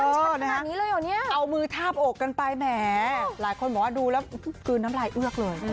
ชัดขนาดนี้เลยเหรอเนี่ยเอามือทาบอกกันไปแหมหลายคนบอกว่าดูแล้วกลืนน้ำลายเอือกเลย